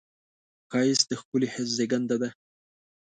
ښایست د ښکلي حس زېږنده ده